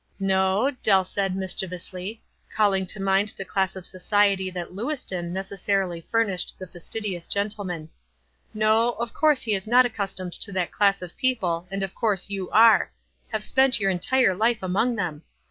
110 WISE AND OTHERWISE. • "No," Dell said, mischievously, calling to mind the class of society that Lewiston neces sarily furnished the fastidious gentleman. "No, of course he is not accustomed to that class of people, and of course you are — have spent your entire life among them